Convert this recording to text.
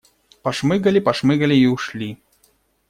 Пошмыгали, пошмыгали и ушли.